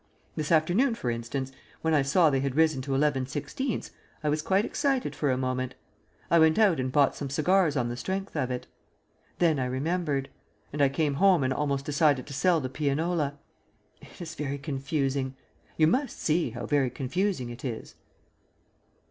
This afternoon, for instance, when I saw they had risen to 11/16 I was quite excited for a moment; I went out and bought some cigars on the strength of it. Then I remembered; and I came home and almost decided to sell the pianola. It is very confusing. You must see how very confusing it is.